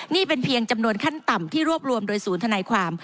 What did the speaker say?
นี่เป็นเพียงจำนวนขั้นต่ำที่รวบรวมโดยศูนย์ธนายความ